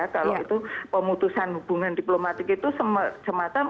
kalau itu pemutusan hubungan diplomatik itu semacam